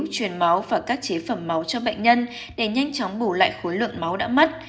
truyền máu và các chế phẩm máu cho bệnh nhân để nhanh chóng bù lại khối lượng máu đã mất